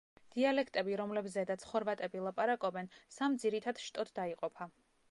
დიალექტები, რომლებზედაც ხორვატები ლაპარაკობენ სამ ძირითად შტოდ დაიყოფა.